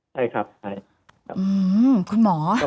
ใช่ครับคุณหมอ